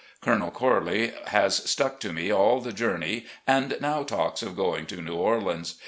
Colonel Corley has stuck to me all the journey, and now talks of going to New Orleans.